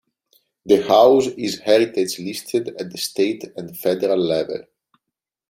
The house is heritage-listed at the state and federal level.